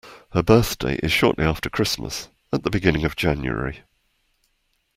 Her birthday is shortly after Christmas, at the beginning of January